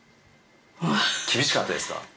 厳しかったですか？